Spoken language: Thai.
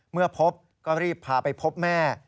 เมื่อพบก็รีบพาไปพบแม่